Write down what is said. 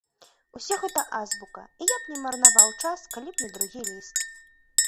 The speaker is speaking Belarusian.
Усё гэта азбука, і я б не марнаваў час, калі б не другі ліст.